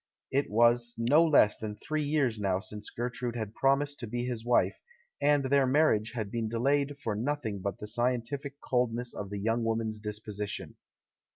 It was no less than three years now since Gertrude had promised to be his wife, and their marriage had been delayed by nothing but the scientific cold ness of the young woman's disposition.